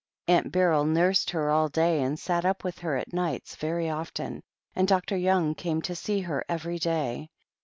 Aunt Beryl nursed her all day and sat up with her at nights very often, and Dr. Young came to see her every day.